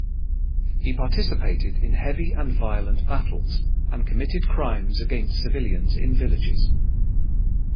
He participated in heavy and violent battles and committed crimes against civilians in villages.